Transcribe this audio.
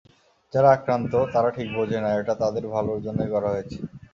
যারা আক্রান্ত, তারা ঠিক বোঝে না, এটা তাদের ভালোর জন্যই করা হয়েছে।